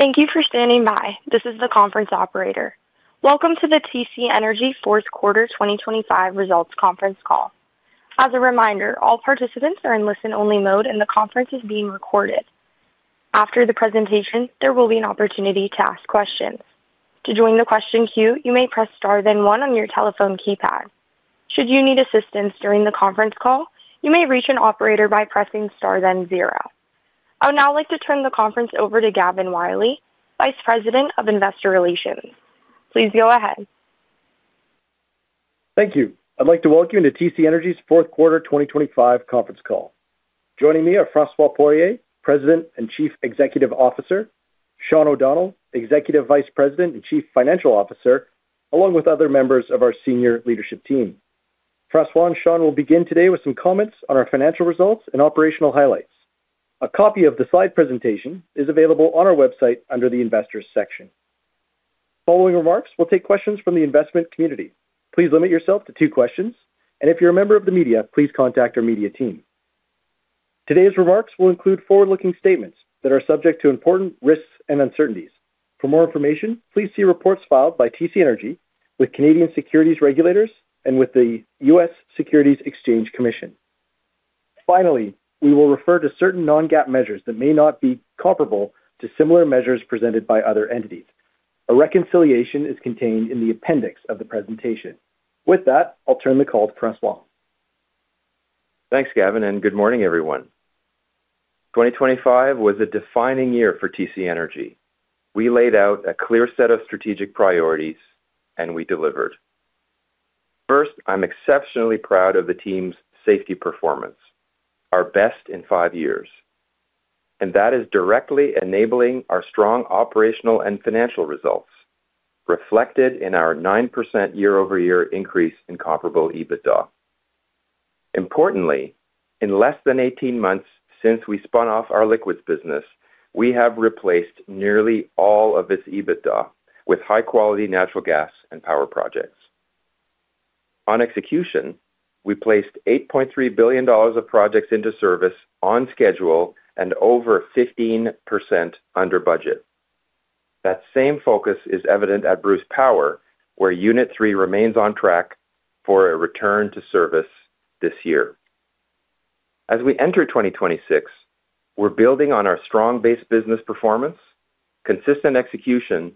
Thank you for standing by. This is the conference operator. Welcome to the TC Energy Fourth Quarter 2025 Results Conference Call. As a reminder, all participants are in listen-only mode, and the conference is being recorded. After the presentation, there will be an opportunity to ask questions. To join the question queue, you may press Star, then one on your telephone keypad. Should you need assistance during the conference call, you may reach an operator by pressing Star, then zero. I would now like to turn the conference over to Gavin Wylie, Vice President of Investor Relations. Please go ahead. Thank you. I'd like to welcome you to TC Energy's Fourth Quarter 2025 conference call. Joining me are François Poirier, President and Chief Executive Officer, Sean O'Donnell, Executive Vice President and Chief Financial Officer, along with other members of our senior leadership team. François and Sean will begin today with some comments on our financial results and operational highlights. A copy of the slide presentation is available on our website under the Investors section. Following remarks, we'll take questions from the investment community. Please limit yourself to two questions, and if you're a member of the media, please contact our media team. Today's remarks will include forward-looking statements that are subject to important risks and uncertainties. For more information, please see reports filed by TC Energy with Canadian Securities Regulators and with the U.S. Securities and Exchange Commission. Finally, we will refer to certain non-GAAP measures that may not be comparable to similar measures presented by other entities. A reconciliation is contained in the appendix of the presentation. With that, I'll turn the call to François. Thanks, Gavin, and good morning, everyone. 2025 was a defining year for TC Energy. We laid out a clear set of strategic priorities, and we delivered. First, I'm exceptionally proud of the team's safety performance, our best in five years, and that is directly enabling our strong operational and financial results, reflected in our 9% year-over-year increase in comparable EBITDA. Importantly, in less than 18 months since we spun off our liquids business, we have replaced nearly all of this EBITDA with high-quality natural gas and power projects. On execution, we placed 8.3 billion dollars of projects into service on schedule and over 15% under budget. That same focus is evident at Bruce Power, where Unit Three remains on track for a return to service this year. As we enter 2026, we're building on our strong base business performance, consistent execution,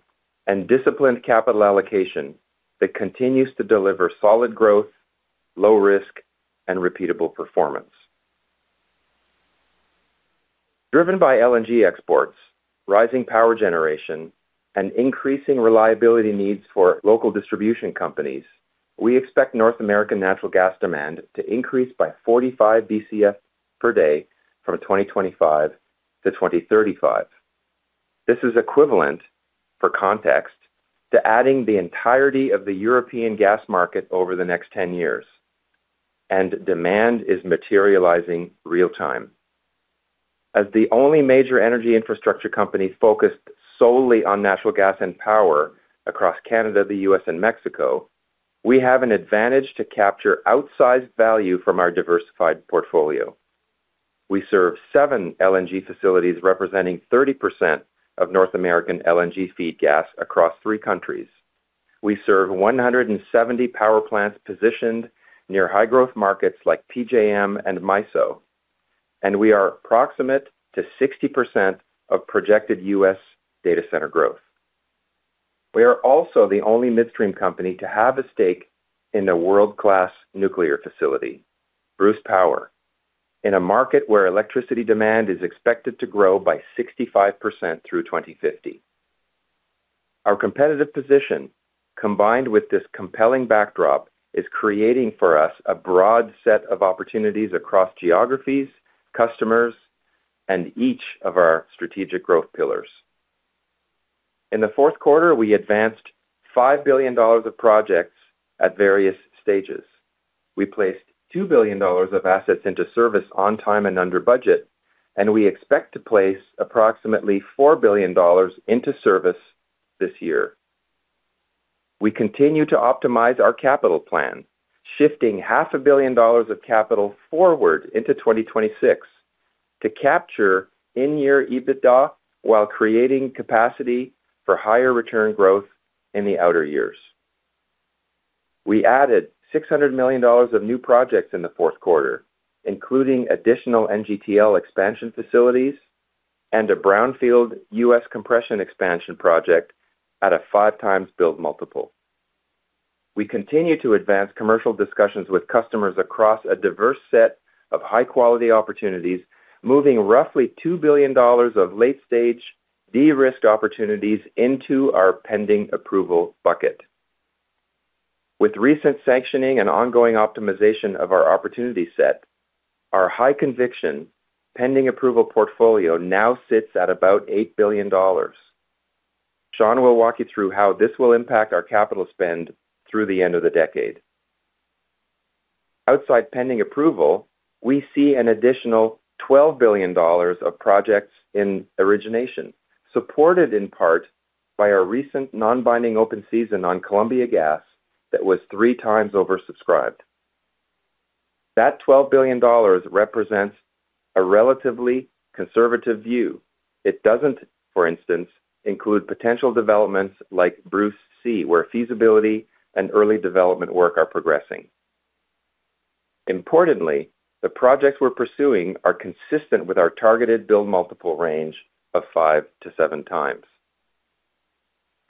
and disciplined capital allocation that continues to deliver solid growth, low risk, and repeatable performance. Driven by LNG exports, rising power generation, and increasing reliability needs for local distribution companies, we expect North American natural gas demand to increase by 45 BCF per day from 2025 to 2035. This is equivalent, for context, to adding the entirety of the European gas market over the next 10 years, and demand is materializing real-time. As the only major energy infrastructure company focused solely on natural gas and power across Canada, the U.S., and Mexico, we have an advantage to capture outsized value from our diversified portfolio. We serve 7 LNG facilities, representing 30% of North American LNG feed gas across three countries. We serve 170 power plants positioned near high-growth markets like PJM and MISO, and we are proximate to 60% of projected U.S. data center growth. We are also the only midstream company to have a stake in a world-class nuclear facility, Bruce Power, in a market where electricity demand is expected to grow by 65% through 2050. Our competitive position, combined with this compelling backdrop, is creating for us a broad set of opportunities across geographies, customers, and each of our strategic growth pillars. In the fourth quarter, we advanced 5 billion dollars of projects at various stages. We placed 2 billion dollars of assets into service on time and under budget, and we expect to place approximately 4 billion dollars into service this year. We continue to optimize our capital plan, shifting 500 million dollars of capital forward into 2026 to capture in-year EBITDA while creating capacity for higher return growth in the outer years. We added 600 million dollars of new projects in the fourth quarter, including additional NGTL expansion facilities and a brownfield U.S. compression expansion project at a five times build multiple. We continue to advance commercial discussions with customers across a diverse set of high-quality opportunities, moving roughly 2 billion dollars of late-stage de-risked opportunities into our pending approval bucket. With recent sanctioning and ongoing optimization of our opportunity set, our high-conviction pending approval portfolio now sits at about 8 billion dollars. Sean will walk you through how this will impact our capital spend through the end of the decade. Outside pending approval, we see an additional $12 billion of projects in origination, supported in part by our recent non-binding open season on Columbia Gas that was three times oversubscribed. That $12 billion represents a relatively conservative view. It doesn't, for instance, include potential developments like Bruce C, where feasibility and early development work are progressing. Importantly, the projects we're pursuing are consistent with our targeted build multiple range of five-seven times.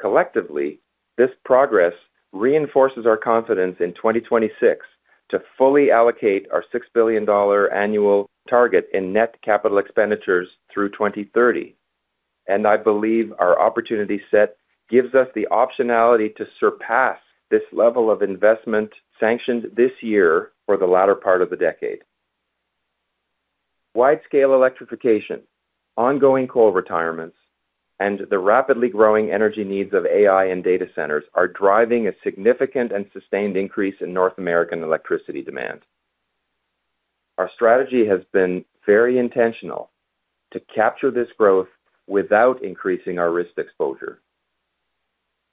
Collectively, this progress reinforces our confidence in 2026 to fully allocate our $6 billion annual target in net capital expenditures through 2030, and I believe our opportunity set gives us the optionality to surpass this level of investment sanctioned this year for the latter part of the decade. Wide-scale electrification, ongoing coal retirements, and the rapidly growing energy needs of AI and data centers are driving a significant and sustained increase in North American electricity demand. Our strategy has been very intentional to capture this growth without increasing our risk exposure.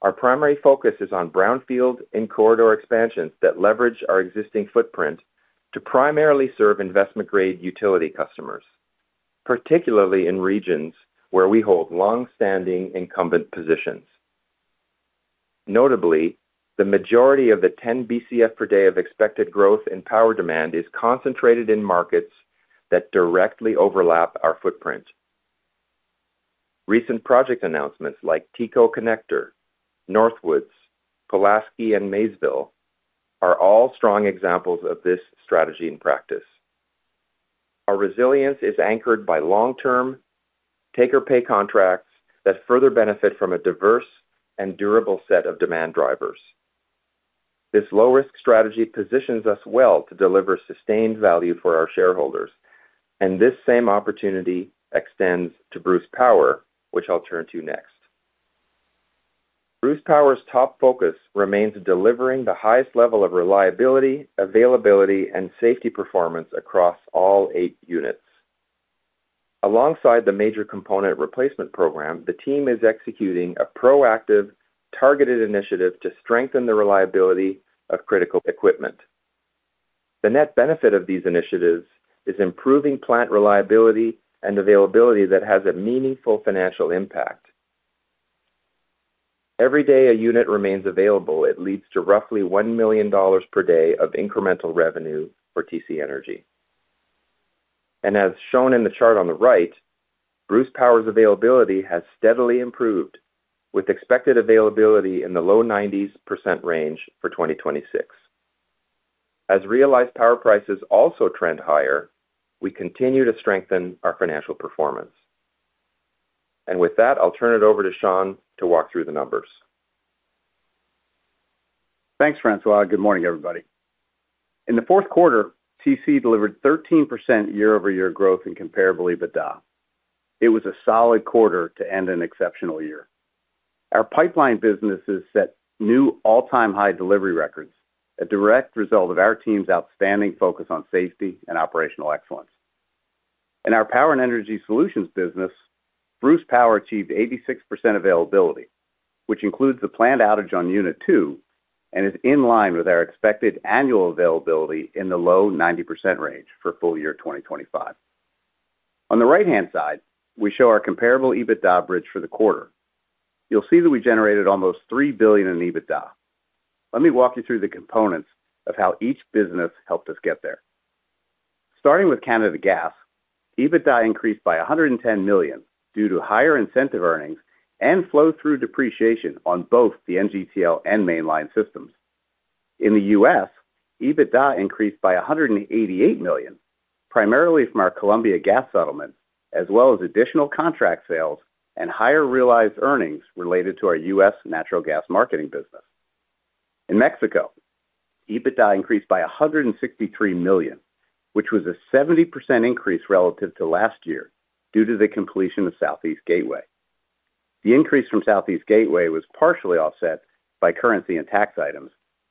Our primary focus is on brownfield and corridor expansions that leverage our existing footprint to primarily serve investment-grade utility customers, particularly in regions where we hold long-standing incumbent positions. Notably, the majority of the 10 BCF per day of expected growth in power demand is concentrated in markets that directly overlap our footprint. Recent project announcements like TCO Connector, Northwoods, Pulaski, and Maysville are all strong examples of this strategy in practice. Our resilience is anchored by long-term take-or-pay contracts that further benefit from a diverse and durable set of demand drivers. This low-risk strategy positions us well to deliver sustained value for our shareholders, and this same opportunity extends to Bruce Power, which I'll turn to next. Bruce Power's top focus remains delivering the highest level of reliability, availability, and safety performance across all eight units. Alongside the major component replacement program, the team is executing a proactive, targeted initiative to strengthen the reliability of critical equipment. The net benefit of these initiatives is improving plant reliability and availability that has a meaningful financial impact. Every day a unit remains available, it leads to roughly 1 million dollars per day of incremental revenue for TC Energy. And as shown in the chart on the right, Bruce Power's availability has steadily improved, with expected availability in the low 90s% range for 2026. As realized power prices also trend higher, we continue to strengthen our financial performance. With that, I'll turn it over to Sean to walk through the numbers. Thanks, François. Good morning, everybody. In the fourth quarter, TC delivered 13% year-over-year growth in Comparable EBITDA. It was a solid quarter to end an exceptional year. Our pipeline businesses set new all-time high delivery records, a direct result of our team's outstanding focus on safety and operational excellence. In our Power and Energy Solutions business, Bruce Power achieved 86% availability, which includes the planned outage on Unit Two and is in line with our expected annual availability in the low 90% range for full year 2025. On the right-hand side, we show our Comparable EBITDA bridge for the quarter. You'll see that we generated almost 3 billion in EBITDA. Let me walk you through the components of how each business helped us get there. Starting with Canada Gas, EBITDA increased by $110 million due to higher incentive earnings and flow-through depreciation on both the NGTL and Mainline systems. In the U.S., EBITDA increased by $188 million, primarily from our Columbia Gas settlement, as well as additional contract sales and higher realized earnings related to our U.S. natural gas marketing business. In Mexico, EBITDA increased by $163 million, which was a 70% increase relative to last year due to the completion of Southeast Gateway. The increase from Southeast Gateway was partially offset by currency and tax items,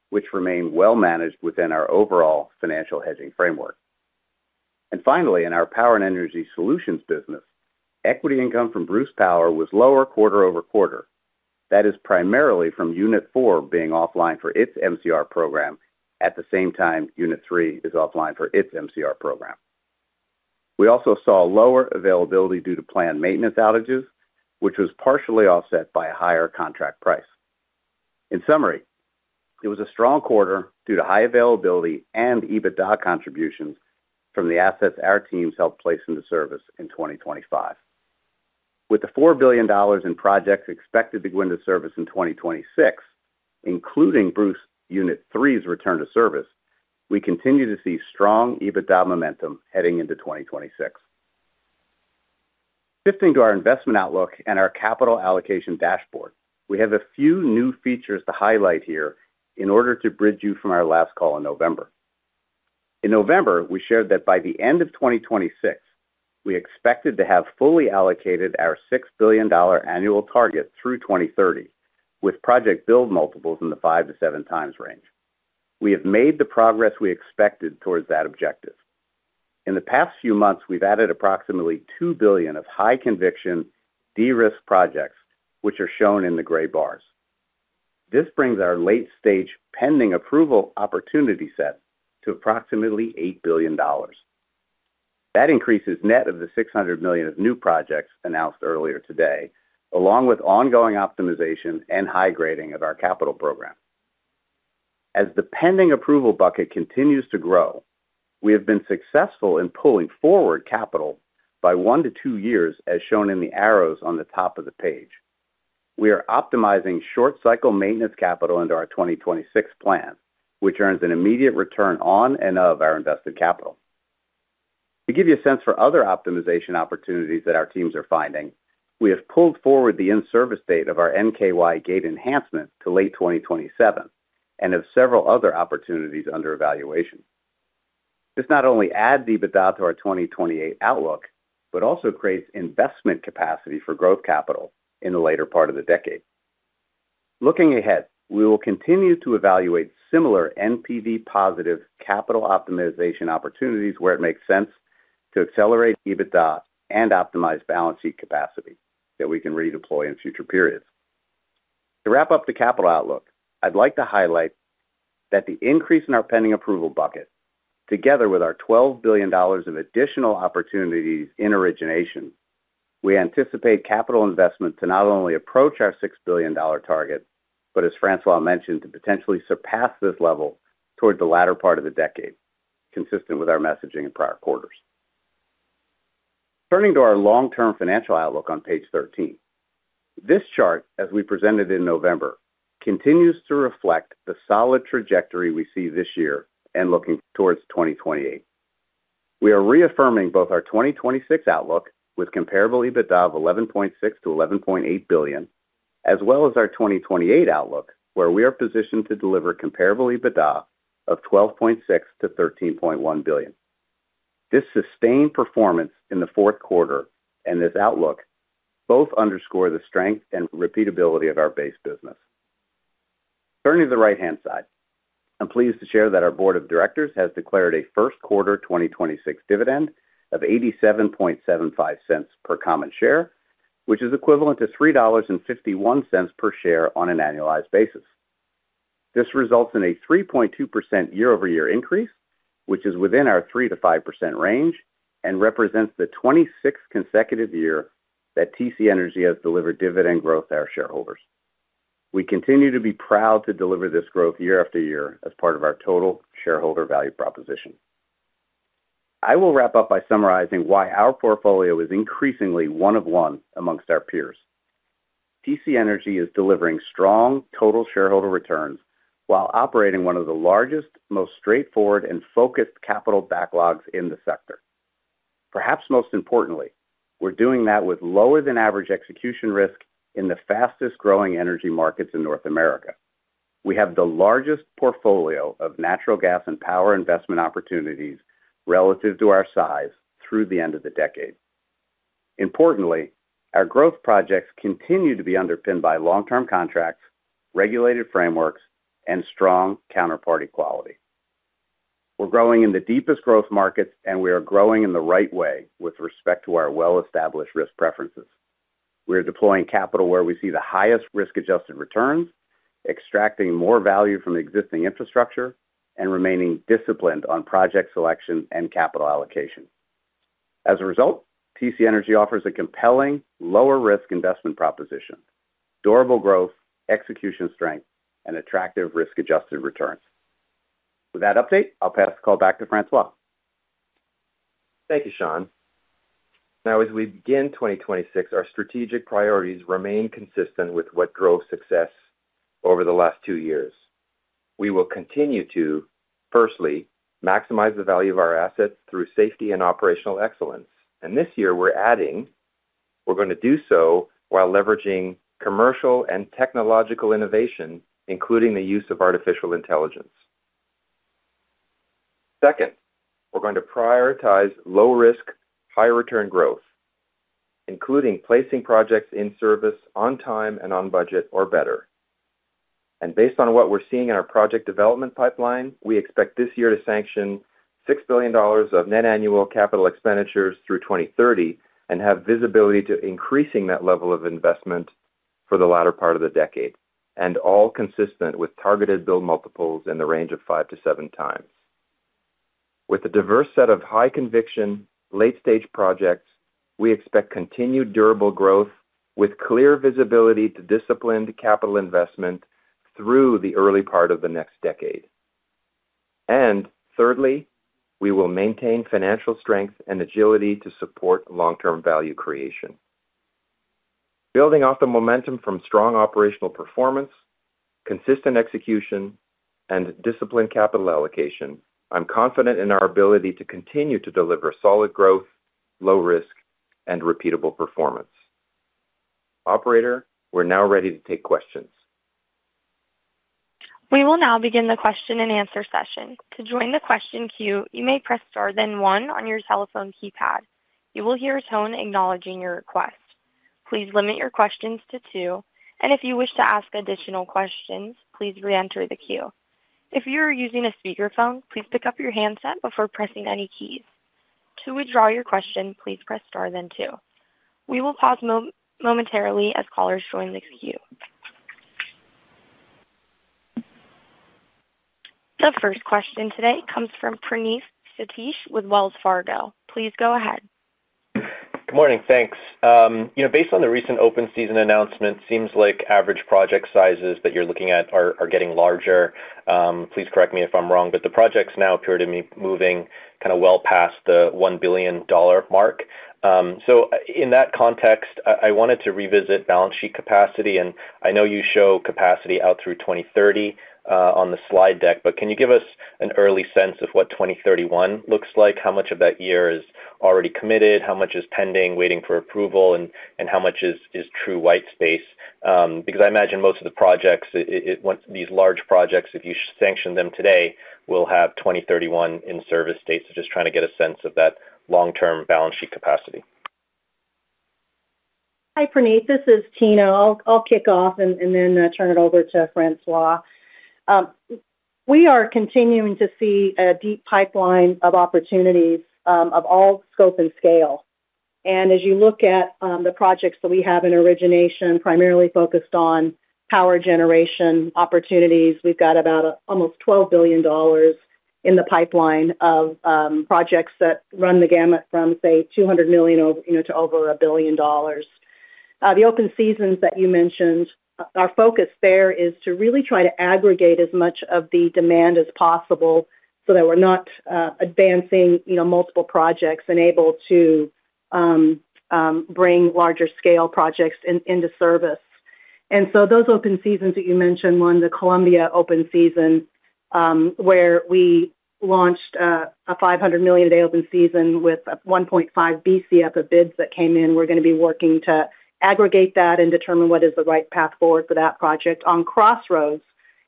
which remained well managed within our overall financial hedging framework. Finally, in our Power and Energy Solutions business, equity income from Bruce Power was lower quarter-over-quarter. That is primarily from Unit Four being offline for its MCR program at the same time Unit Three is offline for its MCR program. We also saw lower availability due to planned maintenance outages, which was partially offset by a higher contract price. In summary, it was a strong quarter due to high availability and EBITDA contributions from the assets our teams helped place into service in 2025. With the 4 billion dollars in projects expected to go into service in 2026, including Bruce Unit Three's return to service, we continue to see strong EBITDA momentum heading into 2026. Shifting to our investment outlook and our capital allocation dashboard, we have a few new features to highlight here in order to bridge you from our last call in November. In November, we shared that by the end of 2026, we expected to have fully allocated our 6 billion dollar annual target through 2030, with project build multiples in the five-seven times range. We have made the progress we expected towards that objective. In the past few months, we've added approximately 2 billion of high-conviction, de-risked projects, which are shown in the gray bars.... This brings our late-stage pending approval opportunity set to approximately 8 billion dollars. That increases net of the 600 million of new projects announced earlier today, along with ongoing optimization and high grading of our capital program. As the pending approval bucket continues to grow, we have been successful in pulling forward capital by one-two years, as shown in the arrows on the top of the page. We are optimizing short-cycle maintenance capital into our 2026 plan, which earns an immediate return on and in our invested capital. To give you a sense for other optimization opportunities that our teams are finding, we have pulled forward the in-service date of our Mackay Gate Enhancement to late 2027 and have several other opportunities under evaluation. This not only adds EBITDA to our 2028 outlook, but also creates investment capacity for growth capital in the later part of the decade. Looking ahead, we will continue to evaluate similar NPV-positive capital optimization opportunities where it makes sense to accelerate EBITDA and optimize balance sheet capacity that we can redeploy in future periods. To wrap up the capital outlook, I'd like to highlight that the increase in our pending approval bucket, together with our 12 billion dollars of additional opportunities in origination, we anticipate capital investment to not only approach our 6 billion dollar target, but as François mentioned, to potentially surpass this level towards the latter part of the decade, consistent with our messaging in prior quarters. Turning to our long-term financial outlook on page 13. This chart, as we presented in November, continues to reflect the solid trajectory we see this year and looking towards 2028. We are reaffirming both our 2026 outlook, with comparable EBITDA of 11.6 billion-11.8 billion, as well as our 2028 outlook, where we are positioned to deliver comparable EBITDA of 12.6 billion-13.1 billion. This sustained performance in the fourth quarter and this outlook both underscore the strength and repeatability of our base business. Turning to the right-hand side, I'm pleased to share that our board of directors has declared a first quarter 2026 dividend of 0.8775 per common share, which is equivalent to 3.51 dollars per share on an annualized basis. This results in a 3.2% year-over-year increase, which is within our 3%-5% range and represents the 26th consecutive year that TC Energy has delivered dividend growth to our shareholders. We continue to be proud to deliver this growth year after year as part of our total shareholder value proposition. I will wrap up by summarizing why our portfolio is increasingly one of one amongst our peers. TC Energy is delivering strong total shareholder returns while operating one of the largest, most straightforward and focused capital backlogs in the sector. Perhaps most importantly, we're doing that with lower-than-average execution risk in the fastest-growing energy markets in North America. We have the largest portfolio of natural gas and power investment opportunities relative to our size through the end of the decade. Importantly, our growth projects continue to be underpinned by long-term contracts, regulated frameworks, and strong counterparty quality. We're growing in the deepest growth markets, and we are growing in the right way with respect to our well-established risk preferences. We are deploying capital where we see the highest risk-adjusted returns, extracting more value from existing infrastructure, and remaining disciplined on project selection and capital allocation. As a result, TC Energy offers a compelling lower-risk investment proposition, durable growth, execution strength, and attractive risk-adjusted returns. With that update, I'll pass the call back to François. Thank you, Sean. Now, as we begin 2026, our strategic priorities remain consistent with what drove success over the last two years. We will continue to, firstly, maximize the value of our assets through safety and operational excellence, and this year we're adding, we're going to do so while leveraging commercial and technological innovation, including the use of artificial intelligence. Second, we're going to prioritize low-risk, high-return growth, including placing projects in service on time and on budget or better. And based on what we're seeing in our project development pipeline, we expect this year to sanction 6 billion dollars of net annual capital expenditures through 2030, and have visibility to increasing that level of investment for the latter part of the decade, and all consistent with targeted build multiples in the range of five-seven times. With a diverse set of high-conviction, late-stage projects, we expect continued durable growth with clear visibility to disciplined capital investment through the early part of the next decade. And thirdly, we will maintain financial strength and agility to support long-term value creation. Building off the momentum from strong operational performance, consistent execution, and disciplined capital allocation, I'm confident in our ability to continue to deliver solid growth, low risk, and repeatable performance. Operator, we're now ready to take questions. We will now begin the question-and-answer session. To join the question queue, you may press star, then one on your telephone keypad. You will hear a tone acknowledging your request. Please limit your questions to two, and if you wish to ask additional questions, please reenter the queue. If you are using a speakerphone, please pick up your handset before pressing any keys. To withdraw your question, please press star then two. We will pause momentarily as callers join the queue. The first question today comes from Praneeth Satish with Wells Fargo. Please go ahead. Good morning, thanks. You know, based on the recent open season announcement, seems like average project sizes that you're looking at are getting larger. Please correct me if I'm wrong, but the projects now appear to me moving kinda well past the 1 billion dollar mark. So in that context, I wanted to revisit balance sheet capacity, and I know you show capacity out through 2030 on the slide deck, but can you give us an early sense of what 2031 looks like? How much of that year is already committed? How much is pending, waiting for approval, and how much is true white space? Because I imagine most of the projects, once these large projects, if you sanction them today, will have 2031 in service dates. Just trying to get a sense of that long-term balance sheet capacity. Hi, Praneeth, this is Tina. I'll kick off and then turn it over to François. We are continuing to see a deep pipeline of opportunities of all scope and scale. And as you look at the projects that we have in origination, primarily focused on power generation opportunities, we've got about almost 12 billion dollars in the pipeline of projects that run the gamut from, say, 200 million over, you know, to over 1 billion dollars. The open seasons that you mentioned, our focus there is to really try to aggregate as much of the demand as possible so that we're not advancing, you know, multiple projects and able to bring larger scale projects into service. So those open seasons that you mentioned, one, the Columbia open season, where we launched a 500 million a day open season with a 1.5 Bcf of bids that came in. We're gonna be working to aggregate that and determine what is the right path forward for that project. On Crossroads,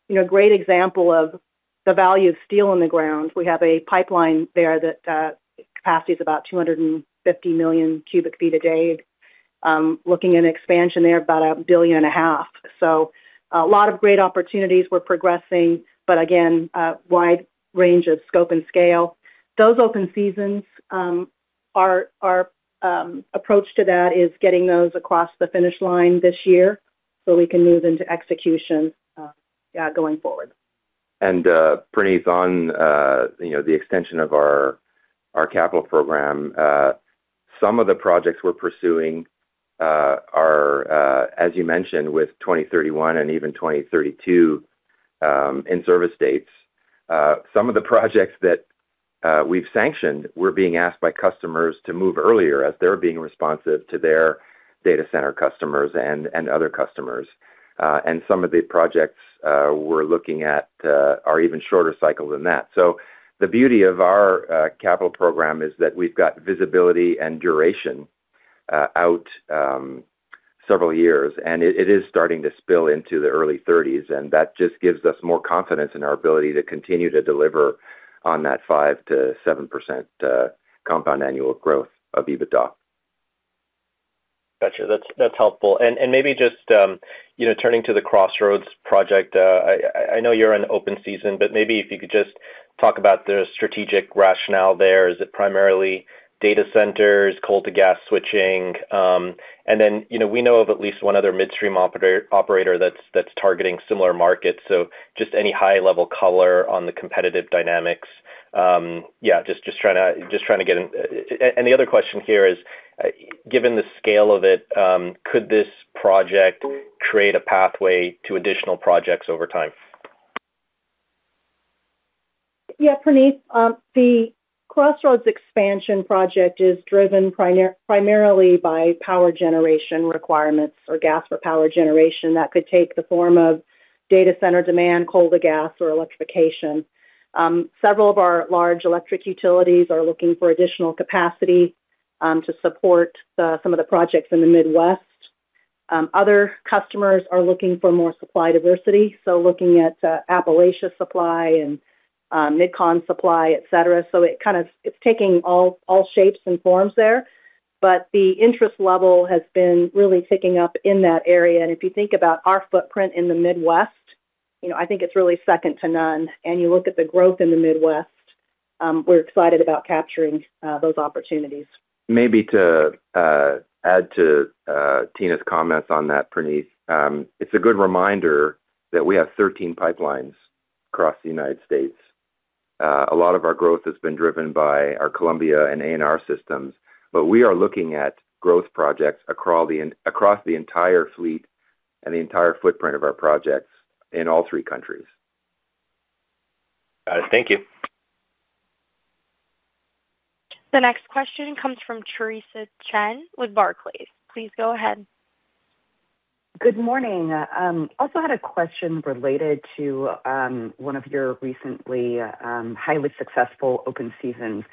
you know, a great example of the value of steel on the ground. We have a pipeline there that capacity is about 250 million cubic feet a day. Looking at expansion there, about a 1.5 billion. So a lot of great opportunities we're progressing, but again, a wide range of scope and scale. Those open seasons, our approach to that is getting those across the finish line this year so we can move into execution, going forward. Praneeth, on, you know, the extension of our capital program, some of the projects we're pursuing are, as you mentioned, with 2031 and even 2032 in-service dates. Some of the projects that we've sanctioned, we're being asked by customers to move earlier as they're being responsive to their data center customers and other customers. Some of the projects we're looking at are even shorter cycles than that. So the beauty of our capital program is that we've got visibility and duration out several years, and it is starting to spill into the early 2030s, and that just gives us more confidence in our ability to continue to deliver on that 5%-7% compound annual growth of EBITDA. Got you. That's helpful. And maybe just, you know, turning to the Crossroads project, I know you're in open season, but maybe if you could just talk about the strategic rationale there. Is it primarily data centers, coal to gas switching? And then, you know, we know of at least one other midstream operator that's targeting similar markets. So just any high-level color on the competitive dynamics. Yeah, just trying to get in. And the other question here is, given the scale of it, could this project create a pathway to additional projects over time? Yeah, Praneeth, the Crossroads expansion project is driven primarily by power generation requirements or gas for power generation. That could take the form of data center demand, coal to gas, or electrification. Several of our large electric utilities are looking for additional capacity to support some of the projects in the Midwest. Other customers are looking for more supply diversity, so looking at Appalachia supply and MidCon supply, et cetera. So it's kind of taking all shapes and forms there, but the interest level has been really ticking up in that area. And if you think about our footprint in the Midwest, you know, I think it's really second to none. And you look at the growth in the Midwest, we're excited about capturing those opportunities. Maybe to add to Tina's comments on that, Praneeth. It's a good reminder that we have 13 pipelines across the United States. A lot of our growth has been driven by our Columbia and ANR systems, but we are looking at growth projects across the entire fleet and the entire footprint of our projects in all three countries. Got it. Thank you. The next question comes from Theresa Chen with Barclays. Please go ahead. Good morning. Also had a question related to one of your recently highly successful open seasons.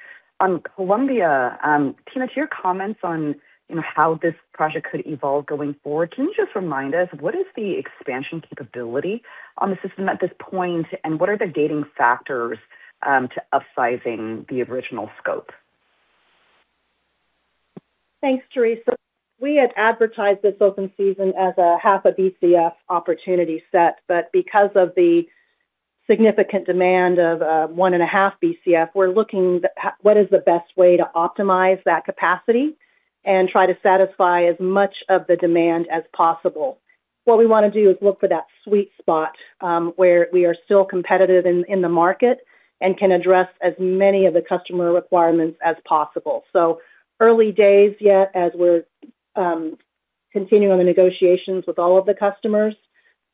On Columbia, Tina, to your comments on, you know, how this project could evolve going forward, can you just remind us what is the expansion capability on the system at this point, and what are the gating factors to upsizing the original scope?... Thanks, Theresa. We had advertised this open season as 0.5 Bcf opportunity set, but because of the significant demand of 1.5 BCF, we're looking at what is the best way to optimize that capacity and try to satisfy as much of the demand as possible. What we wanna do is look for that sweet spot, where we are still competitive in the market and can address as many of the customer requirements as possible. So early days yet, as we're continuing the negotiations with all of the customers,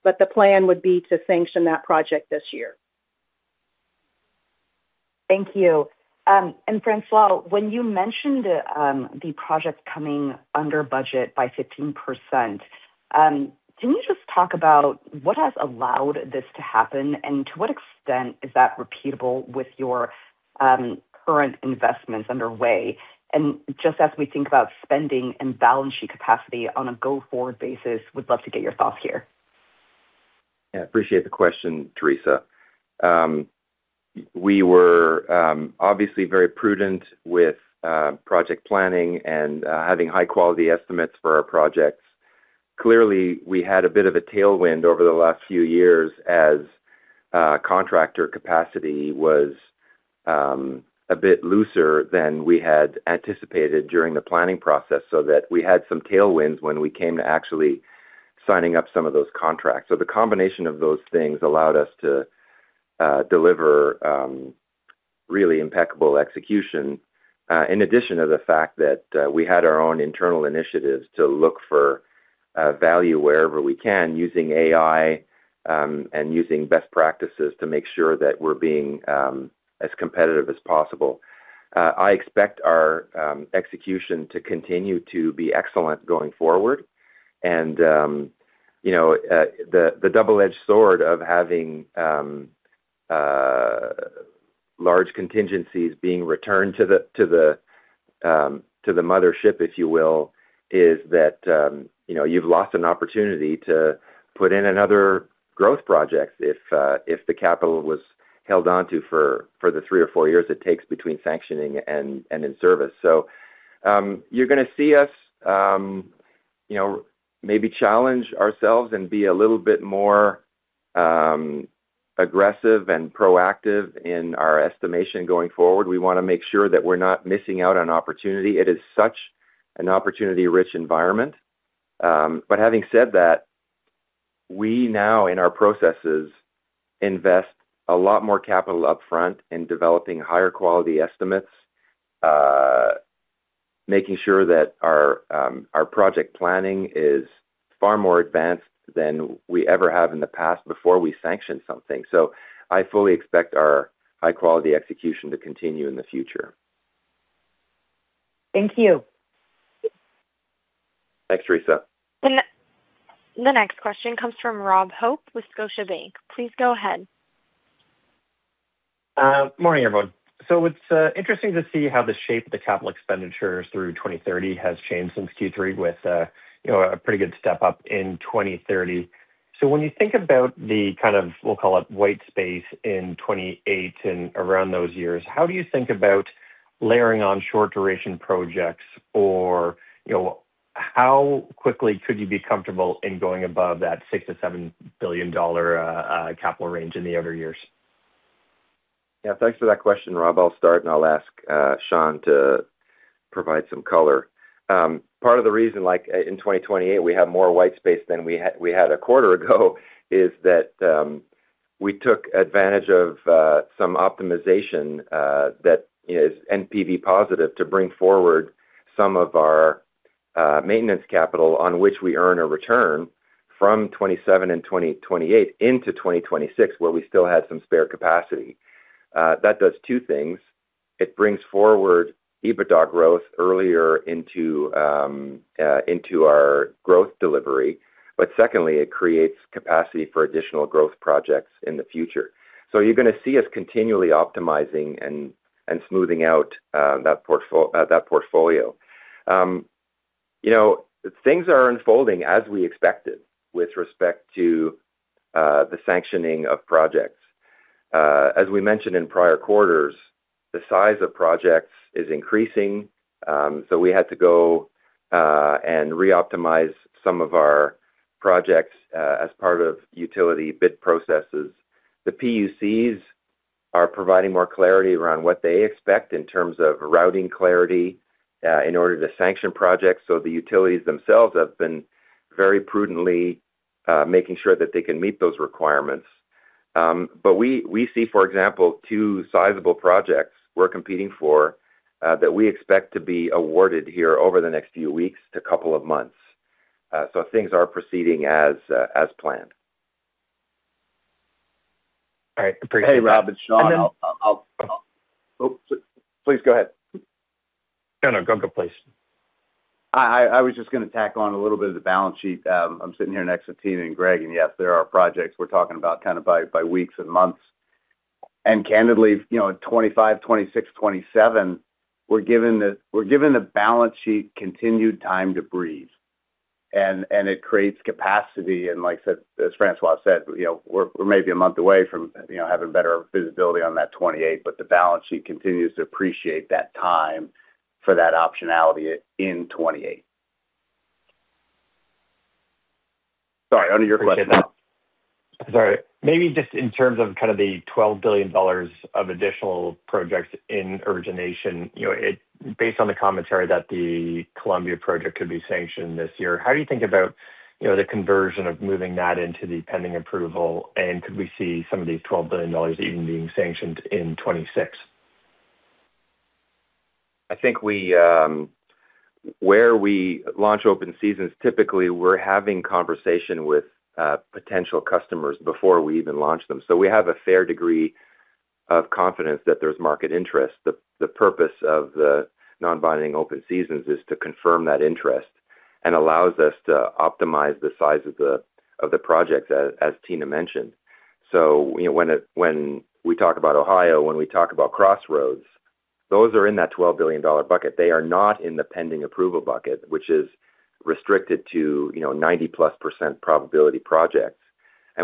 but the plan would be to sanction that project this year. Thank you. And François, when you mentioned the project coming under budget by 15%, can you just talk about what has allowed this to happen, and to what extent is that repeatable with your current investments underway? And just as we think about spending and balance sheet capacity on a go-forward basis, would love to get your thoughts here. Yeah, appreciate the question, Theresa. We were obviously very prudent with project planning and having high-quality estimates for our projects. Clearly, we had a bit of a tailwind over the last few years as contractor capacity was a bit looser than we had anticipated during the planning process, so that we had some tailwinds when we came to actually signing up some of those contracts. So the combination of those things allowed us to deliver really impeccable execution in addition to the fact that we had our own internal initiatives to look for value wherever we can, using AI, and using best practices to make sure that we're being as competitive as possible. I expect our execution to continue to be excellent going forward. And, you know, the double-edged sword of having large contingencies being returned to the mothership, if you will, is that, you know, you've lost an opportunity to put in another growth project if the capital was held on to for the three or four years it takes between sanctioning and in service. So, you're gonna see us, you know, maybe challenge ourselves and be a little bit more aggressive and proactive in our estimation going forward. We wanna make sure that we're not missing out on opportunity. It is such an opportunity-rich environment. But having said that, we now, in our processes, invest a lot more capital upfront in developing higher quality estimates, making sure that our project planning is far more advanced than we ever have in the past before we sanction something. So I fully expect our high-quality execution to continue in the future. Thank you. Thanks, Theresa. The next question comes from Rob Hope with Scotiabank. Please go ahead. Morning, everyone. So it's interesting to see how the shape of the capital expenditures through 2030 has changed since Q3 with, you know, a pretty good step-up in 2030. So when you think about the kind of, we'll call it, white space in 2028 and around those years, how do you think about layering on short-duration projects? Or, you know, how quickly could you be comfortable in going above that 6 billion-7 billion dollar capital range in the outer years? Yeah, thanks for that question, Rob. I'll start, and I'll ask Sean to provide some color. Part of the reason, like in 2028, we have more white space than we had a quarter ago, is that we took advantage of some optimization that is NPV positive, to bring forward some of our maintenance capital on which we earn a return from 2027 and 2028 into 2026, where we still had some spare capacity. That does two things: It brings forward EBITDA growth earlier into our growth delivery, but secondly, it creates capacity for additional growth projects in the future. So you're gonna see us continually optimizing and smoothing out that portfolio. You know, things are unfolding as we expected with respect to the sanctioning of projects. As we mentioned in prior quarters, the size of projects is increasing, so we had to go, and reoptimize some of our projects, as part of utility bid processes. The PUCs are providing more clarity around what they expect in terms of routing clarity, in order to sanction projects, so the utilities themselves have been very prudently, making sure that they can meet those requirements. But we, we see, for example, two sizable projects we're competing for, that we expect to be awarded here over the next few weeks to couple of months. So things are proceeding as, as planned. All right. Appreciate it- Hey, Rob, it's Sean. I'll...Oh, please go ahead. No, no. Go, go, please. I was just gonna tack on a little bit of the balance sheet. I'm sitting here next to Tina and Greg, and yes, there are projects we're talking about kind of by, by weeks and months. And candidly, you know, 2025, 2026, 2027, we're given the balance sheet continued time to breathe. And it creates capacity. And like I said, as François said, you know, we're maybe a month away from having better visibility on that 2028, but the balance sheet continues to appreciate that time for that optionality in 2028. Sorry, under your question now. Sorry. Maybe just in terms of kind of the $12 billion of additional projects in origination, you know, based on the commentary that the Columbia project could be sanctioned this year, how do you think about, you know, the conversion of moving that into the pending approval? And could we see some of these $12 billion even being sanctioned in 2026? I think we where we launch open seasons, typically, we're having conversation with potential customers before we even launch them. So we have a fair degree of confidence that there's market interest. The purpose of the non-binding open seasons is to confirm that interest and allows us to optimize the size of the project, as Tina mentioned. So, you know, when we talk about Ohio, when we talk about Crossroads, those are in that $12 billion bucket. They are not in the pending approval bucket, which is restricted to, you know, 90%+ probability projects.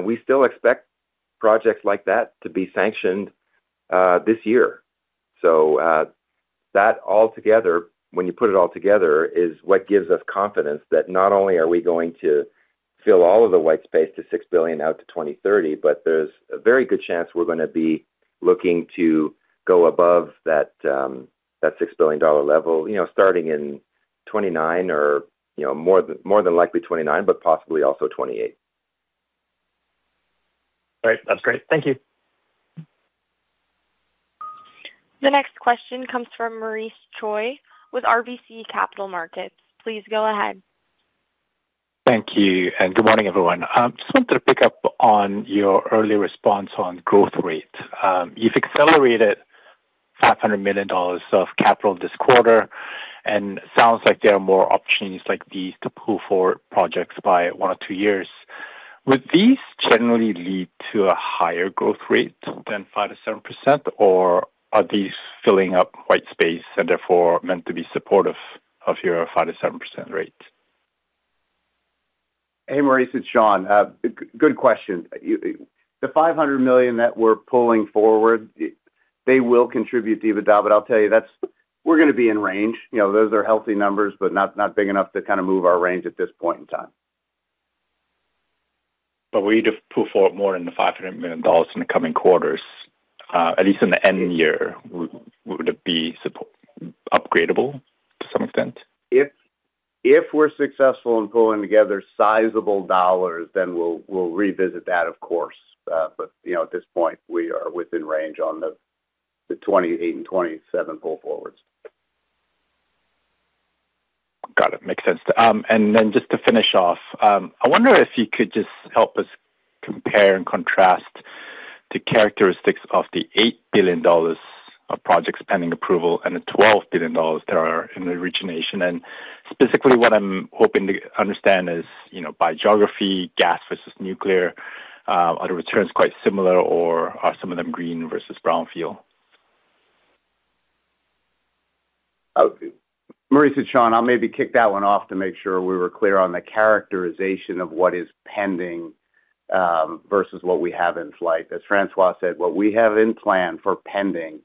We still expect projects like that to be sanctioned this year. So, that altogether, when you put it all together, is what gives us confidence that not only are we going to fill all of the white space to 6 billion out to 2030, but there's a very good chance we're gonna be looking to go above that, that 6 billion dollar level, you know, starting in 2029 or, you know, more, more than likely 2029, but possibly also 2028. All right. That's great. Thank you. The next question comes from Maurice Choy with RBC Capital Markets. Please go ahead. Thank you, and good morning, everyone. Just wanted to pick up on your early response on growth rate. You've accelerated $500 million of capital this quarter, and sounds like there are more opportunities like these to pull forward projects by one or two years. Would these generally lead to a higher growth rate than 5%-7%, or are these filling up white space, and therefore meant to be supportive of your 5%-7% rate? Hey, Maurice, it's Sean. Good question. You, the 500 million that we're pulling forward, they will contribute to EBITDA, but I'll tell you, that's—we're gonna be in range. You know, those are healthy numbers, but not big enough to kind of move our range at this point in time. But will you just pull forward more than 500 million dollars in the coming quarters, at least in the end year, would it be supportable upgradable to some extent? If we're successful in pulling together sizable dollars, then we'll revisit that, of course. But, you know, at this point, we are within range on the 28 and 27 pull forwards. Got it. Makes sense. And then just to finish off, I wonder if you could just help us compare and contrast the characteristics of the 8 billion dollars of projects pending approval and the 12 billion dollars that are in origination. And specifically, what I'm hoping to understand is, you know, by geography, gas versus nuclear, are the returns quite similar, or are some of them greenfield versus brownfield? Maurice, it's Sean. I'll maybe kick that one off to make sure we were clear on the characterization of what is pending versus what we have in flight. As François said, what we have in plan for pending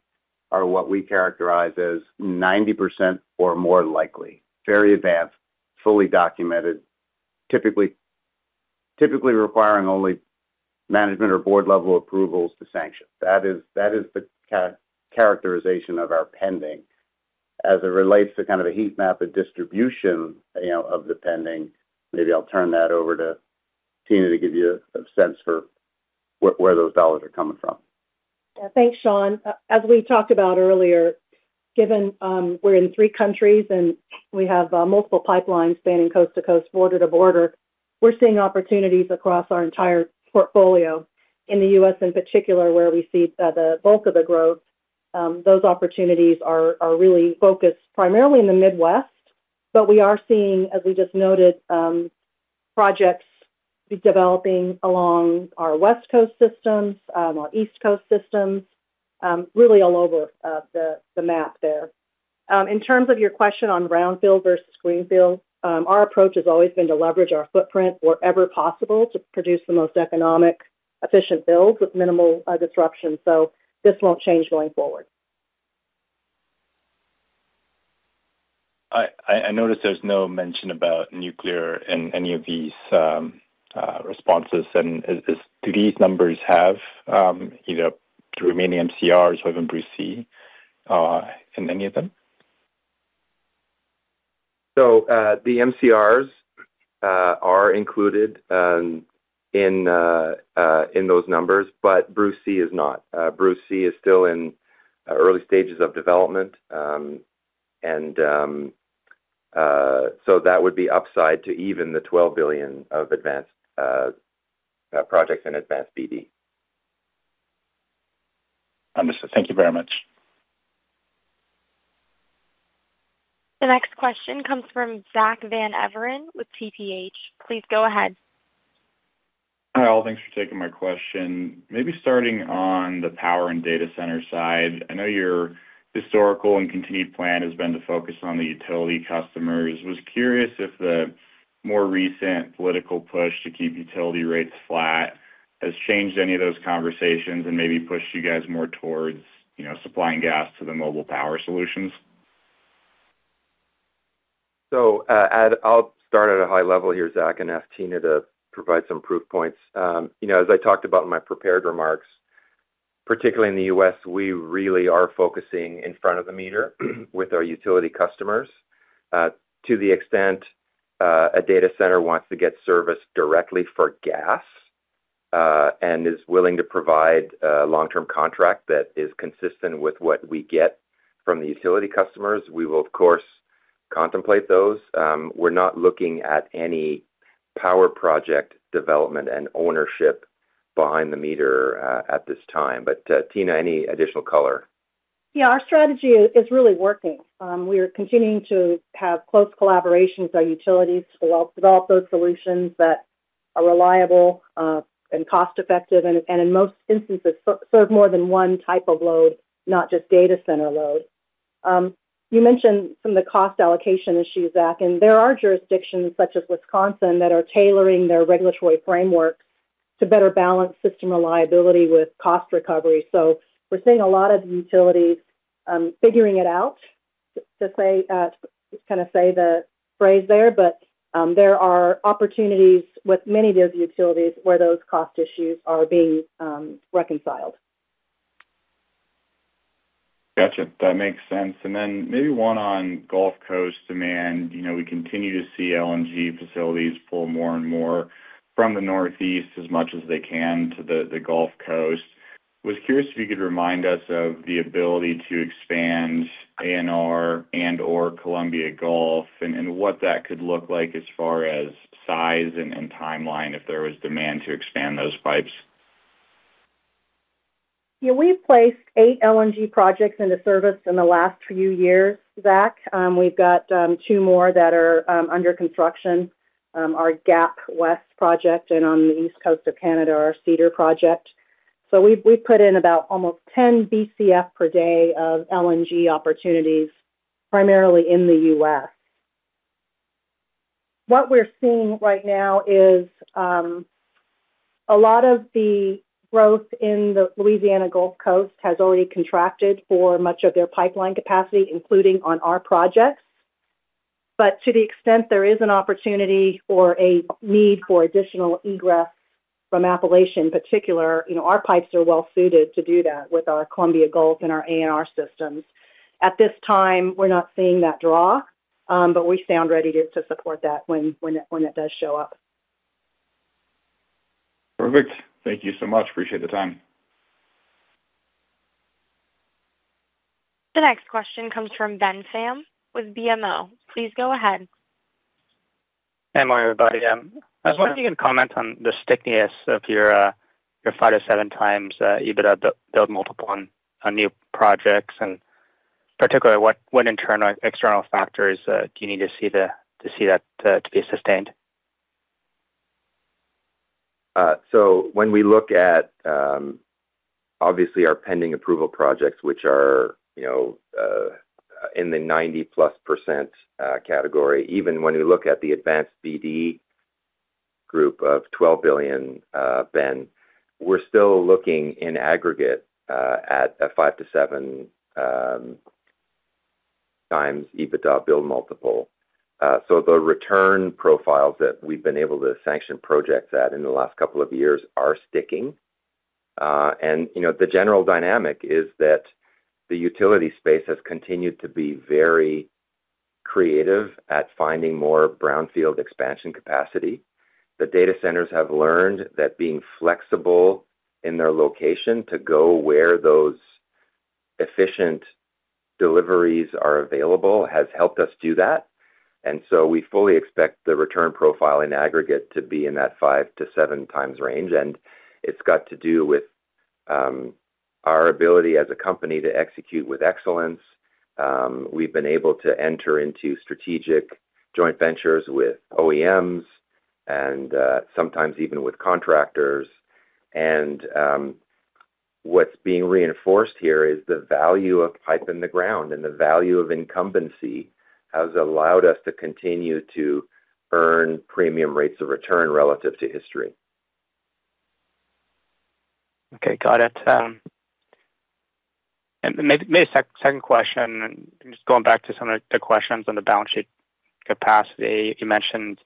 are what we characterize as 90% or more likely, very advanced, fully documented, typically requiring only management or board-level approvals to sanction. That is the characterization of our pending. As it relates to kind of a heat map of distribution, you know, of the pending, maybe I'll turn that over to Tina to give you a sense for where those dollars are coming from. Yeah. Thanks, Sean. As we talked about earlier, given we're in three countries and we have multiple pipelines spanning coast to coast, border to border, we're seeing opportunities across our entire portfolio. In the U.S., in particular, where we see the bulk of the growth, those opportunities are really focused primarily in the Midwest, but we are seeing, as we just noted, projects be developing along our West Coast systems, our East Coast systems, really all over the map there. In terms of your question on brownfield versus greenfield, our approach has always been to leverage our footprint wherever possible to produce the most economic, efficient builds with minimal disruption. So this won't change going forward. I noticed there's no mention about nuclear in any of these responses. And do these numbers have either the remaining MCRs or even Bruce C in any of them? So, the MCRs are included in those numbers, but Bruce C is not. Bruce C is still in early stages of development. And so that would be upside to even the 12 billion of advanced projects in advanced BD. Understood. Thank you very much. The next question comes from Zach Van Everen with TPH. Please go ahead. ... Hi, all. Thanks for taking my question. Maybe starting on the power and data center side, I know your historical and continued plan has been to focus on the utility customers. Was curious if the more recent political push to keep utility rates flat has changed any of those conversations and maybe pushed you guys more towards, you know, supplying gas to the mobile power solutions? So, I'll start at a high level here, Zach, and ask Tina to provide some proof points. You know, as I talked about in my prepared remarks, particularly in the U.S., we really are focusing in front of the meter with our utility customers. To the extent a data center wants to get service directly for gas, and is willing to provide a long-term contract that is consistent with what we get from the utility customers, we will, of course, contemplate those. We're not looking at any power project development and ownership behind the meter, at this time. But, Tina, any additional color? Yeah, our strategy is really working. We are continuing to have close collaboration with our utilities to develop those solutions that are reliable, and cost-effective, and in most instances, serve more than one type of load, not just data center load. You mentioned some of the cost allocation issues, Zach, and there are jurisdictions such as Wisconsin, that are tailoring their regulatory framework to better balance system reliability with cost recovery. So we're seeing a lot of the utilities figuring it out, to say, just kind of say the phrase there, but there are opportunities with many of those utilities where those cost issues are being reconciled. Gotcha. That makes sense. And then maybe one on Gulf Coast demand. You know, we continue to see LNG facilities pull more and more from the Northeast as much as they can to the Gulf Coast. Was curious if you could remind us of the ability to expand ANR and/or Columbia Gulf and what that could look like as far as size and timeline, if there was demand to expand those pipes. Yeah, we've placed eight LNG projects into service in the last few years, Zach. We've got two more that are under construction, our Gap West project, and on the East Coast of Canada, our Cedar project. So we've put in about almost 10 BCF per day of LNG opportunities, primarily in the U.S. What we're seeing right now is a lot of the growth in the Louisiana Gulf Coast has already contracted for much of their pipeline capacity, including on our projects. But to the extent there is an opportunity or a need for additional egress from Appalachian, particularly, you know, our pipes are well suited to do that with our Columbia Gulf and our ANR systems. At this time, we're not seeing that draw, but we stand ready to support that when it does show up. Perfect. Thank you so much. Appreciate the time. The next question comes from Ben Pham with BMO. Please go ahead. Hey, morning, everybody. I was wondering if you can comment on the stickiness of your five-seven times EBITDA build multiple on new projects, and particularly, what external factors do you need to see to see that to be sustained? So when we look at obviously our pending approval projects, which are, you know, in the 90+% category, even when we look at the advanced BD group of 12 billion, Ben, we're still looking in aggregate at a five-seven times EBITDA build multiple. So the return profiles that we've been able to sanction projects at in the last couple of years are sticking. You know, the general dynamic is that the utility space has continued to be very creative at finding more brownfield expansion capacity. The data centers have learned that being flexible in their location to go where those efficient deliveries are available has helped us do that. So we fully expect the return profile in aggregate to be in that five-seven times range. And it's got to do with our ability as a company to execute with excellence. We've been able to enter into strategic joint ventures with OEMs and sometimes even with contractors. And what's being reinforced here is the value of pipe in the ground, and the value of incumbency has allowed us to continue to earn premium rates of return relative to history. Okay, got it. And maybe a second question, and just going back to some of the questions on the balance sheet capacity. You mentioned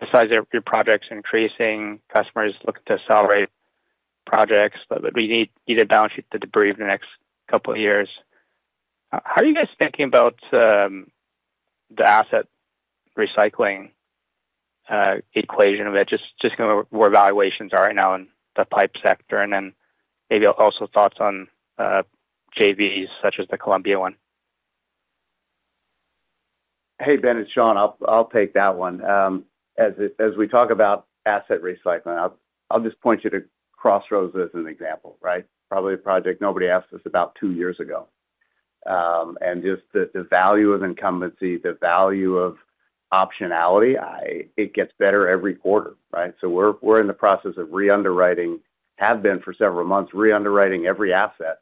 the size of your projects increasing, customers looking to accelerate projects, but we need you to balance sheet the debt in the next couple of years. How are you guys thinking about the asset recycling equation of it? Just kind of where valuations are right now in the pipe sector, and then maybe also thoughts on JVs, such as the Columbia one. Hey, Ben, it's Sean. I'll take that one. As we talk about asset recycling, I'll just point you to Crossroads as an example, right? Probably a project nobody asked us about two years ago. ... And just the value of incumbency, the value of optionality, it gets better every quarter, right? So we're in the process of re-underwriting, have been for several months, re-underwriting every asset,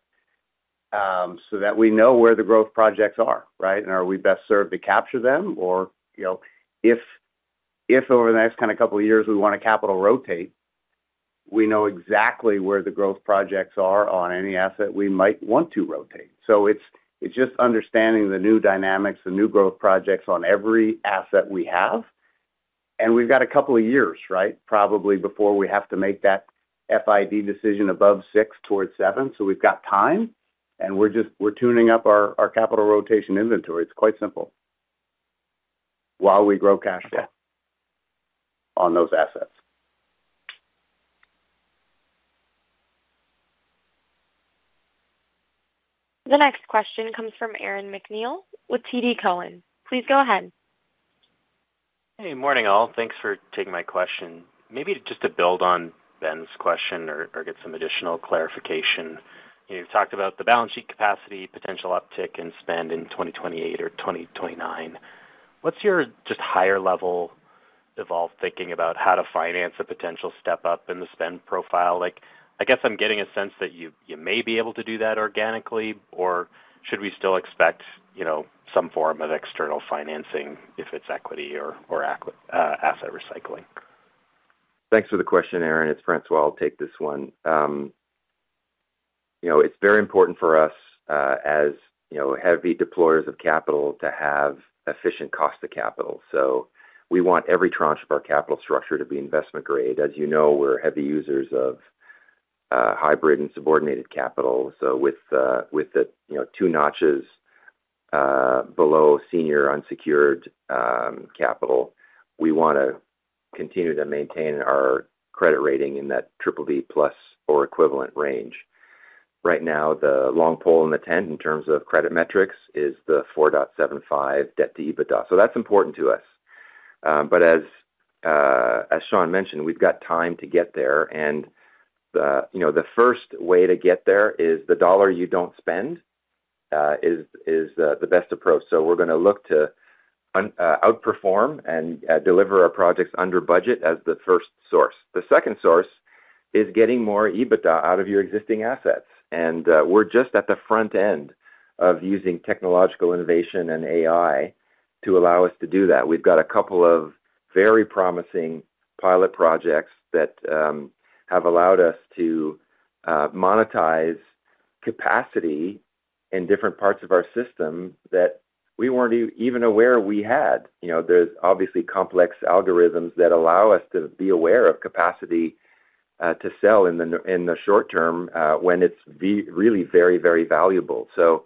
so that we know where the growth projects are, right? And are we best served to capture them, or, you know, if over the next kind of couple of years, we want to capital rotate, we know exactly where the growth projects are on any asset we might want to rotate. So it's just understanding the new dynamics, the new growth projects on every asset we have. And we've got a couple of years, right, probably before we have to make that FID decision above six towards seven. So we've got time, and we're just tuning up our capital rotation inventory. It's quite simple. While we grow cash flow on those assets. The next question comes from Aaron MacNeil with TD Cowen. Please go ahead. Hey, morning, all. Thanks for taking my question. Maybe just to build on Ben's question or get some additional clarification. You've talked about the balance sheet capacity, potential uptick in spend in 2028 or 2029. What's your just higher level evolved thinking about how to finance a potential step up in the spend profile? Like, I guess I'm getting a sense that you may be able to do that organically, or should we still expect, you know, some form of external financing if it's equity or acquisition or asset recycling? Thanks for the question, Aaron. It's François. I'll take this one. You know, it's very important for us, as, you know, heavy deployers of capital to have efficient cost of capital. So we want every tranche of our capital structure to be investment grade. As you know, we're heavy users of hybrid and subordinated capital. So with the, you know, two notches below senior unsecured capital, we want to continue to maintain our credit rating in that triple-B plus or equivalent range. Right now, the long pole in the tent in terms of credit metrics is the 4.75 debt to EBITDA. So that's important to us. But as Sean mentioned, we've got time to get there, and the, you know, the first way to get there is the dollar you don't spend is the best approach. So we're going to look to outperform and deliver our projects under budget as the first source. The second source is getting more EBITDA out of your existing assets. And we're just at the front end of using technological innovation and AI to allow us to do that. We've got a couple of very promising pilot projects that have allowed us to monetize capacity in different parts of our system that we weren't even aware we had. You know, there's obviously complex algorithms that allow us to be aware of capacity to sell in the short term when it's really very, very valuable. So,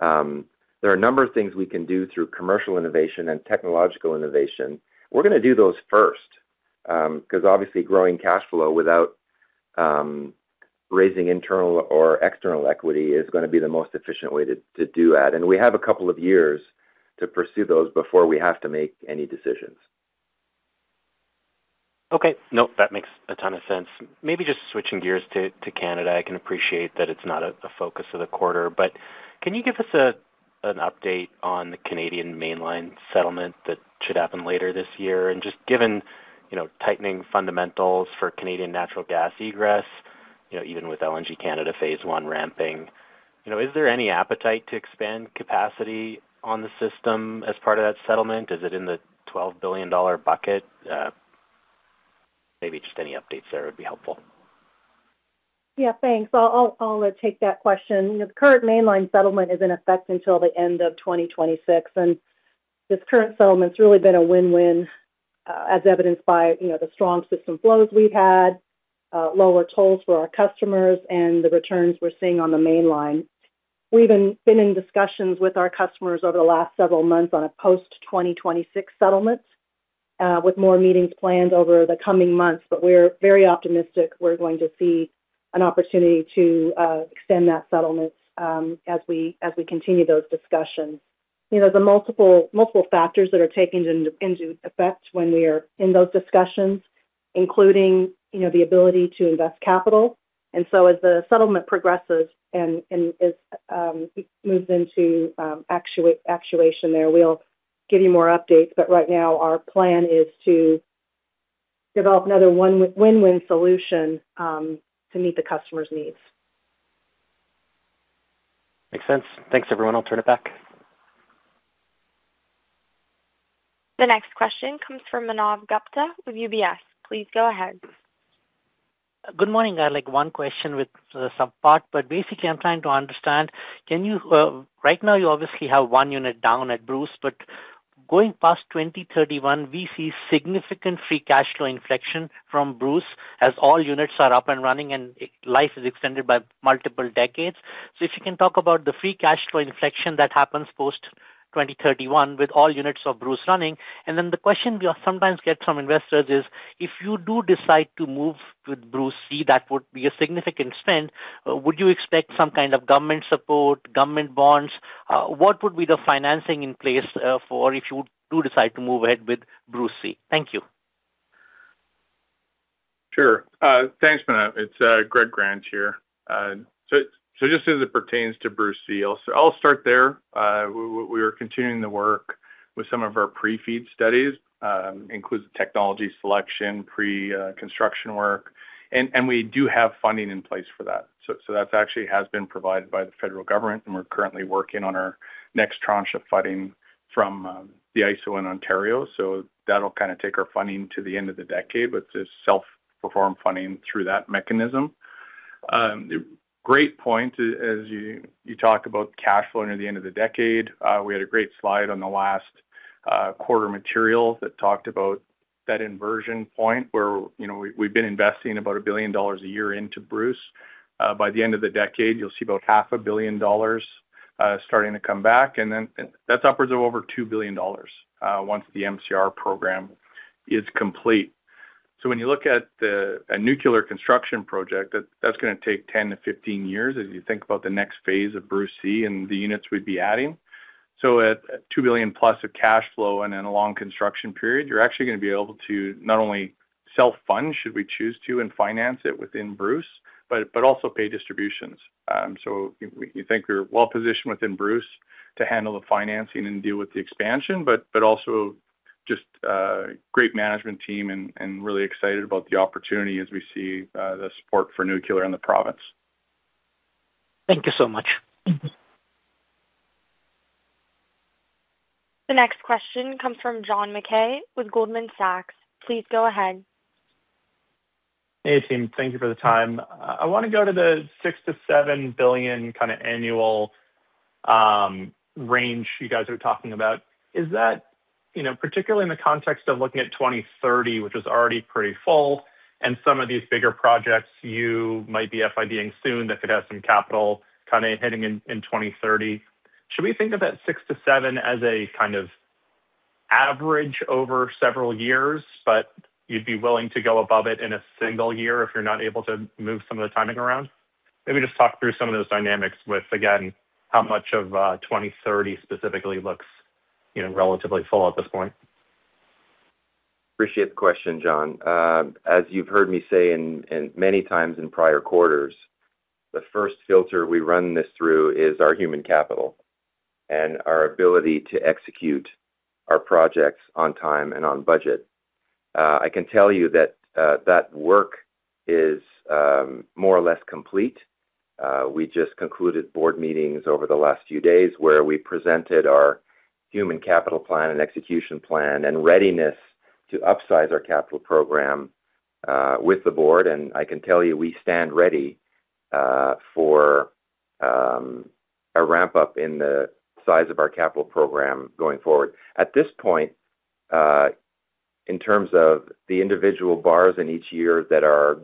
there are a number of things we can do through commercial innovation and technological innovation. We're going to do those first, because obviously, growing cash flow without raising internal or external equity is going to be the most efficient way to do that. And we have a couple of years to pursue those before we have to make any decisions. Okay. Nope, that makes a ton of sense. Maybe just switching gears to Canada. I can appreciate that it's not a focus of the quarter, but can you give us an update on the Canadian Mainline settlement that should happen later this year? And just given, you know, tightening fundamentals for Canadian natural gas egress, you know, even with LNG Canada Phase I ramping, you know, is there any appetite to expand capacity on the system as part of that settlement? Is it in the 12 billion dollar bucket? Maybe just any updates there would be helpful. Yeah, thanks. I'll take that question. The current mainline settlement is in effect until the end of 2026, and this current settlement's really been a win-win, as evidenced by, you know, the strong system flows we've had, lower tolls for our customers and the returns we're seeing on the mainline. We've been in discussions with our customers over the last several months on a post-2026 settlements, with more meetings planned over the coming months. But we're very optimistic we're going to see an opportunity to extend that settlement, as we continue those discussions. You know, there are multiple factors that are taken into effect when we are in those discussions, including, you know, the ability to invest capital. So as the settlement progresses and as it moves into actual actuation there, we'll give you more updates. But right now, our plan is to develop another win-win solution to meet the customer's needs. Makes sense. Thanks, everyone. I'll turn it back. The next question comes from Manav Gupta with UBS. Please go ahead. Good morning. I have, like, one question with some part, but basically I'm trying to understand. Can you, right now you obviously have one unit down at Bruce, but going past 2031, we see significant free cash flow inflection from Bruce as all units are up and running and life is extended by multiple decades. So if you can talk about the free cash flow inflection that happens post 2031 with all units of Bruce running. And then the question we sometimes get from investors is: If you do decide to move with Bruce C, that would be a significant spend. Would you expect some kind of government support, government bonds? What would be the financing in place, for if you do decide to move ahead with Bruce C? Thank you.... Sure. Thanks, Manav. It's Greg Grant here. So just as it pertains to Bruce C, I'll start there. We were continuing to work with some of our pre-FEED studies, includes the technology selection, pre-construction work, and we do have funding in place for that. So that's actually has been provided by the federal government, and we're currently working on our next tranche of funding from the IESO in Ontario. So that'll kinda take our funding to the end of the decade, but it's self-performed funding through that mechanism. Great point, as you talk about cash flow into the end of the decade. We had a great slide on the last quarter material that talked about that inversion point where, you know, we've, we've been investing about 1 billion dollars a year into Bruce. By the end of the decade, you'll see about 500 million dollars starting to come back, and then that's upwards of over 2 billion dollars once the MCR program is complete. So when you look at the, a nuclear construction project, that's gonna take 10-15 years as you think about the next phase of Bruce C and the units we'd be adding. So at 2 billion plus of cash flow and in a long construction period, you're actually gonna be able to not only self-fund, should we choose to, and finance it within Bruce, but, but also pay distributions. So we think we're well-positioned within Bruce to handle the financing and deal with the expansion, but also just great management team and really excited about the opportunity as we see the support for nuclear in the province. Thank you so much. The next question comes from John Mackay with Goldman Sachs. Please go ahead. Hey, team, thank you for the time. I want to go to the 6 billion-7 billion kinda annual range you guys are talking about. Is that, you know, particularly in the context of looking at 2030, which is already pretty full, and some of these bigger projects, you might be FID-ing soon, that could have some capital kinda hitting in, in 2030. Should we think of that six-seven as a kind of average over several years, but you'd be willing to go above it in a single year if you're not able to move some of the timing around? Maybe just talk through some of those dynamics with, again, how much of 2030 specifically looks, you know, relatively full at this point. Appreciate the question, John. As you've heard me say in many times in prior quarters, the first filter we run this through is our human capital and our ability to execute our projects on time and on budget. I can tell you that that work is more or less complete. We just concluded board meetings over the last few days, where we presented our human capital plan and execution plan and readiness to upsize our capital program with the board. I can tell you, we stand ready for a ramp-up in the size of our capital program going forward. At this point, in terms of the individual bars in each year that are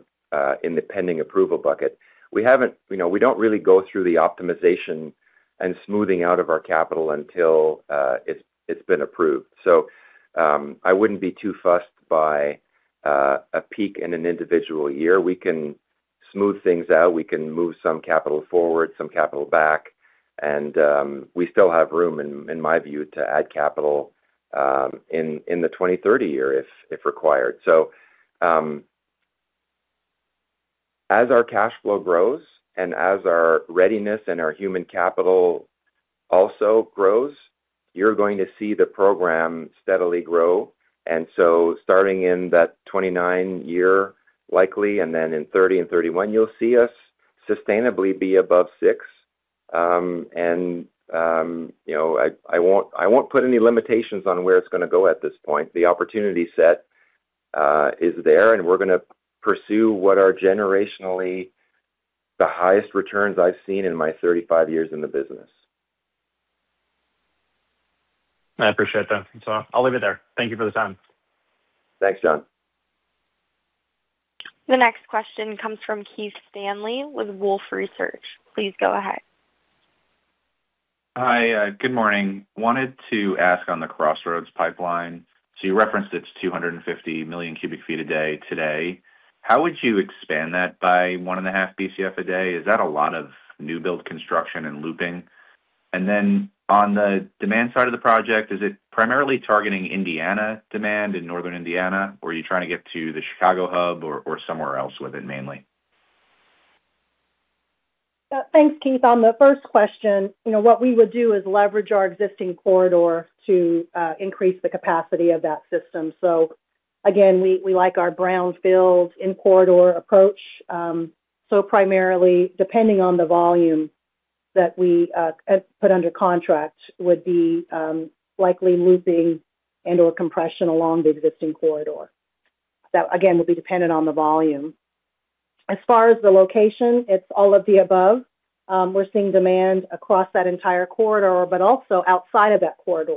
in the pending approval bucket, we haven't—you know, we don't really go through the optimization and smoothing out of our capital until it's been approved. So, I wouldn't be too fussed by a peak in an individual year. We can smooth things out, we can move some capital forward, some capital back, and we still have room, in my view, to add capital in the 2030 year, if required. So, as our cash flow grows and as our readiness and our human capital also grows, you're going to see the program steadily grow. And so starting in that 2029 year, likely, and then in 2030 and 2031, you'll see us sustainably be above 6. You know, I won't put any limitations on where it's gonna go at this point. The opportunity set is there, and we're gonna pursue what are generationally the highest returns I've seen in my 35 years in the business. I appreciate that. So I'll leave it there. Thank you for the time. Thanks, John. The next question comes from Keith Stanley with Wolfe Research. Please go ahead. Hi, good morning. Wanted to ask on the Crossroads Pipeline. So you referenced it's 250 million cubic feet a day today. How would you expand that by 1.5 BCF a day? Is that a lot of new build construction and looping? And then on the demand side of the project, is it primarily targeting Indiana demand in northern Indiana, or are you trying to get to the Chicago hub or, or somewhere else with it, mainly? Thanks, Keith. On the first question, you know, what we would do is leverage our existing corridor to increase the capacity of that system. So again, we like our brownfield in corridor approach. So primarily, depending on the volume that we put under contract, would be likely looping and/or compression along the existing corridor. That, again, will be dependent on the volume. As far as the location, it's all of the above. We're seeing demand across that entire corridor, but also outside of that corridor.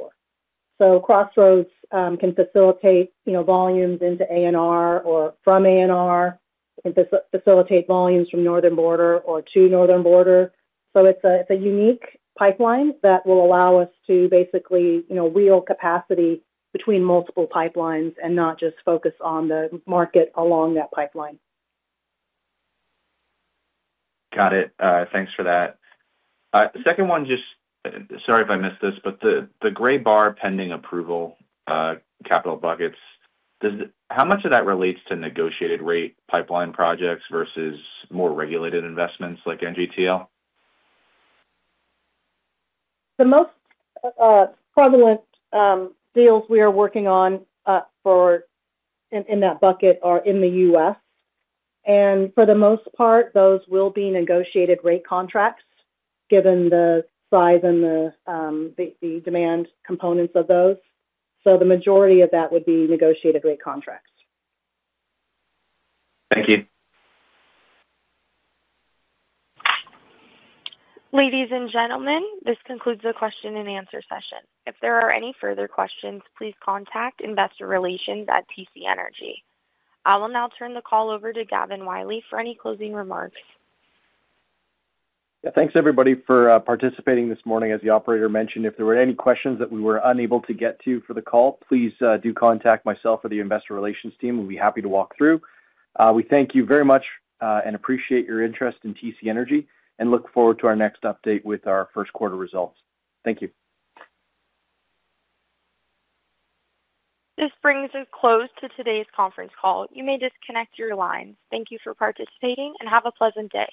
So Crossroads can facilitate, you know, volumes into ANR or from ANR, can facilitate volumes from Northern Border or to Northern Border. So it's a unique pipeline that will allow us to basically, you know, wheel capacity between multiple pipelines and not just focus on the market along that pipeline. Got it. Thanks for that. The second one, just... Sorry if I missed this, but the gray bar pending approval, capital buckets, does it, how much of that relates to negotiated rate pipeline projects versus more regulated investments like NGTL? The most prevalent deals we are working on for in that bucket are in the U.S., and for the most part, those will be negotiated rate contracts, given the size and the demand components of those. So the majority of that would be negotiated rate contracts. Thank you. Ladies and gentlemen, this concludes the question and answer session. If there are any further questions, please contact Investor Relations at TC Energy. I will now turn the call over to Gavin Wylie for any closing remarks. Yeah. Thanks, everybody, for participating this morning. As the operator mentioned, if there were any questions that we were unable to get to for the call, please do contact myself or the investor relations team. We'll be happy to walk through. We thank you very much, and appreciate your interest in TC Energy and look forward to our next update with our first quarter results. Thank you. This brings a close to today's conference call. You may disconnect your lines. Thank you for participating, and have a pleasant day.